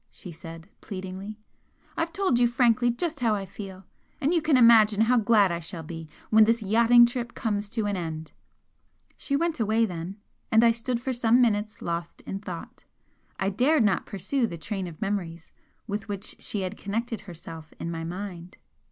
she said, pleadingly, "I've told you frankly just how I feel, and you can imagine how glad I shall be when this yachting trip comes to an end." She went away then, and I stood for some minutes lost in thought. I dared not pursue the train of memories with which she had connected herself in my mind.